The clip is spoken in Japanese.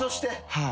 はい。